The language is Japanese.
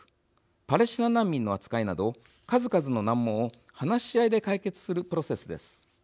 パレスチナ難民の扱いなど数々の難問を話し合いで解決するプロセスです。